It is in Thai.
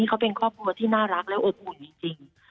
เขาเป็นครอบครัวที่น่ารักและอบอุ่นจริง